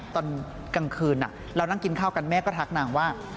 ตอนกลางคืนเรานั่งกินข้าวกันแม่ก็ทักนางว่า